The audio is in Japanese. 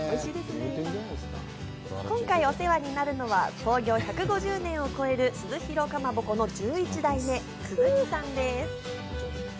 今回お世話になるのは、創業１５０年を超える、鈴廣かまぼこの１１代目・鈴木さんです。